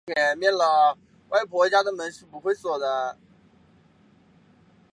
恩斯多夫是奥地利下奥地利州阿姆施泰滕县的一个市镇。